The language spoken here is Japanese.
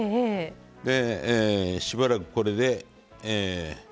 でしばらくこれで。